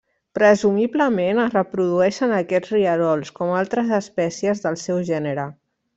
Presumiblement es reprodueix en aquests rierols, com altres espècies del seu gènere.